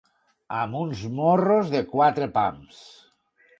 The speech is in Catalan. Amb uns morros de quatre pams.